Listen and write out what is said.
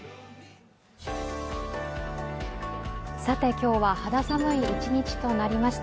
今日は肌寒い一日となりました。